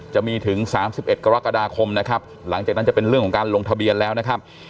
จะมีถึง๓๑กรกฎาคมนะครับหลังจากนั้นจะเป็นเรื่องของการลงทะเบียนแล้วนะครับ